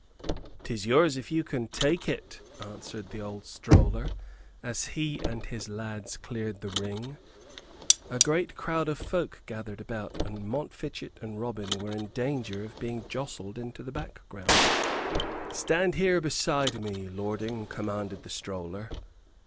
"'Tis yours if you can take it," answered the old stroller, as he and his lads cleared the ring. A great crowd of folk gathered about, and Montfichet and Robin were in danger of being jostled into the background. "Stand here beside me, lording," commanded the stroller.